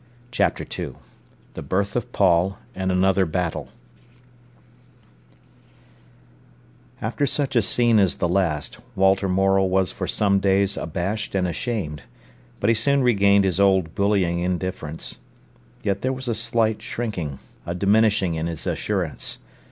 CHAPTER II THE BIRTH OF PAUL, AND ANOTHER BATTLE After such a scene as the last, Walter Morel was for some days abashed and ashamed, but he soon regained his old bullying indifference. Yet there was a slight shrinking, a diminishing in his assurance.